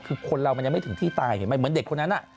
คือคนเรามันยังไม่ถึงที่ตายเห็นไหมเหมือนเด็กคนนั้น